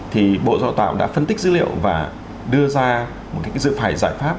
thì bộ do tạo đã phân tích dữ liệu và đưa ra một cái dự phải giải pháp